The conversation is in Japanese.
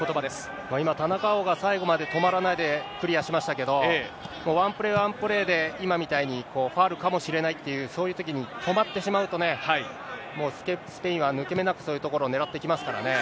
今、田中碧が最後まで止まらないでクリアしましたけど、ワンプレー、ワンプレーで、今みたいにファウルかもしれないって、そういうときに、止まってしまうとね、もうスペインは抜け目なく、そういう所を狙ってきますからね。